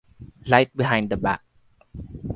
Light Behind The Back.